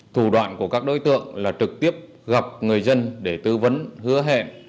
thủ đoạn của các đối tượng là trực tiếp gặp người dân để tư vấn hứa hẹn